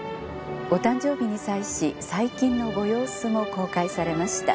お誕生日に際し最近のご様子も公開されました。